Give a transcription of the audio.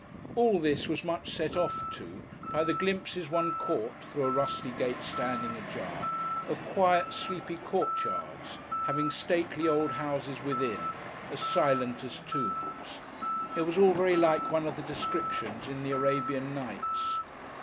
All this was much set off, too, by the glimpses one caught, through a rusty gate standing ajar, of quiet sleepy court yards, having stately old houses within, as silent as tombs. It was all very like one of the descriptions in the Arabian Nights.